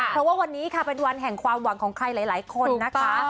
เพราะว่าวันนี้ค่ะเป็นวันแห่งความหวังของใครหลายคนนะคะ